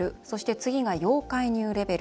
次が要介入レベル。